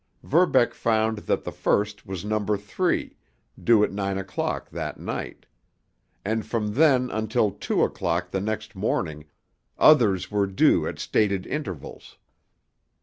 Verbeck found that the first was Number Three, due at nine o'clock that night. And from then until two o'clock the next morning others were due at stated intervals.